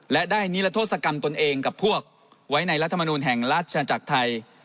และได้นิรธศกรรมตนเองกับพวกไว้ในรัฐบรรนูหนแห่งราชาชะนาจากไทย